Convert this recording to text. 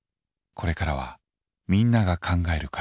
これからはみんなが考えるカラス。